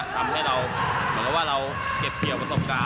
ทำให้เราเก็บเกี่ยวกับประสบการณ์